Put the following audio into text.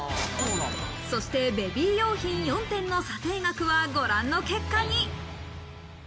そしてベビー用品４点の査定額はご覧の結果に。